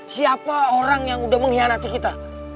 siapa orang yang udah mengkhianati kita